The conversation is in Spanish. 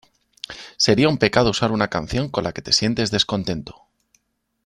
Sería un pecado usar una canción con la que te sientes descontento.